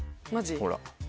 ほら。